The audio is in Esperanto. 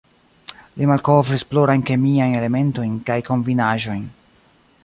Li malkovris plurajn kemiajn elementojn kaj kombinaĵojn.